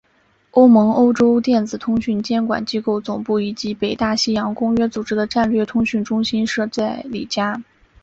欧盟欧洲电子通讯监管机构总部以及北大西洋公约组织的战略通讯中心设在里加。